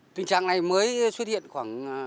tình trạng này mới xuất hiện khoảng